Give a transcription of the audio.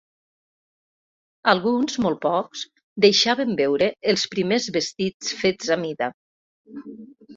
Alguns, molt pocs, deixaven veure els primers vestits fets a mida.